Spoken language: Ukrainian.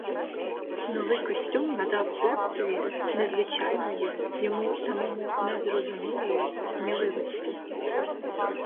Новий костюм надавав хлопцеві незвичної, йому самому незрозумілої сміливості.